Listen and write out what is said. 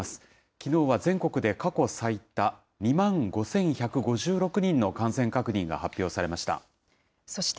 きのうは全国で過去最多、２万５１５６人の感染確認が発表されました。